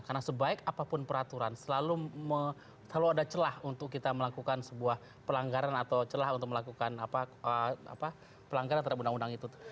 karena sebaik apapun peraturan selalu ada celah untuk kita melakukan sebuah pelanggaran atau celah untuk melakukan pelanggaran terhadap undang undang itu